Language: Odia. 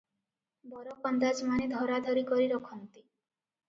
ବରକନ୍ଦାଜମାନେ ଧରାଧରି କରି ରଖନ୍ତି ।